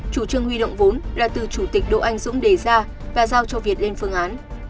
chủ trương huy động vốn là từ chủ tịch đỗ anh dũng đề ra và giao cho việt lên phương án